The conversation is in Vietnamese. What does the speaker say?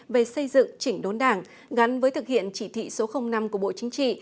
về xây dựng chỉnh đốn đảng gắn với thực hiện chỉ thị số năm của bộ chính trị